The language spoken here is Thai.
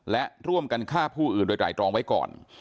และร่วมกันฆ่าผู้อื่นโดยไตรรองไว้ก่อน